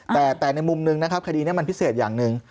แต่ในมุมหนึ่งนะครับคดีนี้มันพิเศษอย่างหนึ่ง